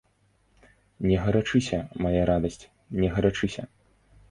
Не гарачыся, мая радасць, не гарачыся.